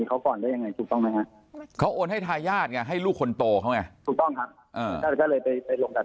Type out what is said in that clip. ก็เลยไปหลบกัดพญาติถูกต้องไหมครับ